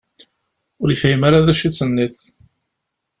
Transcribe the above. Ur yefhim ara d acu i d-tenniḍ.